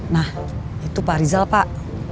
nah itu pak rizal pak